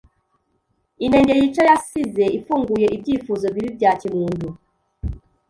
Inenge yica yasize ifunguye ibyifuzo bibi bya kimuntu